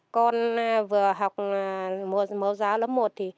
con vừa học mẫu giáo lớp một